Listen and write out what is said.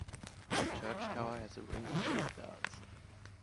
The church tower has a ring of eight bells.